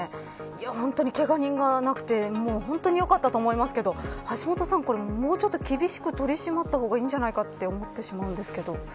本当にけが人がなくてよかったと思いますけど橋下さん、これもうちょっと厳しく取り締まった方がいいんじゃないかと思ってしまうんですけど。